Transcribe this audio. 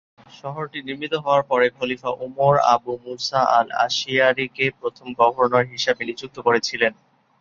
শহরটি নির্মিত হওয়ার পরে, খলিফা উমর আবু মুসা আল-আশিয়ারিকে প্রথম গভর্নর হিসাবে নিযুক্ত করেছিলেন।